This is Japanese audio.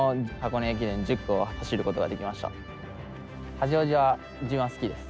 八王子は自分は好きです。